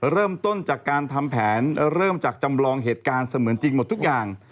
เริ่มต้นจากการทำแผนเริ่มจากจำลองเหตุการณ์เสมือนจริงหมดทุกอย่าง